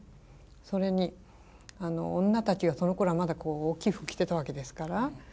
それに女たちがそのころはまだ大きい服着てたわけですから。